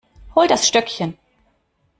Hol das Stöckchen.